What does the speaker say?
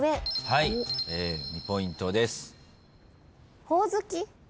はい２ポイントです。